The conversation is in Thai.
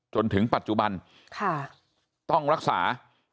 จนถึงปัจจุบันต้องรักษา